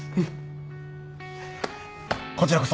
こちらこそ